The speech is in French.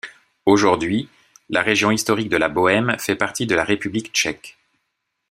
Aujourd'hui, la région historique de la Bohême fait partie de la République tchèque.